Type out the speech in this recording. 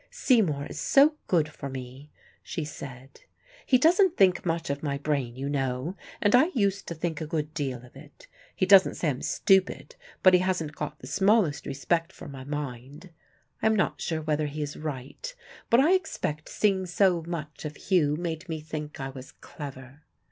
"Seymour is so good for me," she said. "He doesn't think much of my brain, you know, and I used to think a good deal of it. He doesn't say I'm stupid, but he hasn't got the smallest respect for my mind. I am not sure whether he is right, but I expect seeing so much of Hugh made me think I was clever.